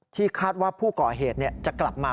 คาดว่าผู้ก่อเหตุจะกลับมา